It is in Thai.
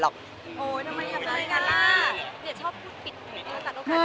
เนื้อหาดีกว่าน่ะเนื้อหาดีกว่าน่ะ